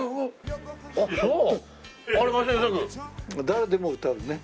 誰でも歌うね。